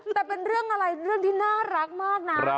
แต่เป็นเรื่องอะไรเรื่องที่น่ารักมากนะ